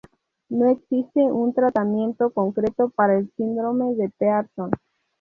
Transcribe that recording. No existe un tratamiento concreto para el síndrome de Pearson.